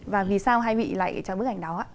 và vì sao hai vị lại cho bức ảnh đó ạ